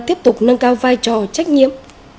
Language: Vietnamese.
tiếp tục nâng cao vai trò trách nhiệm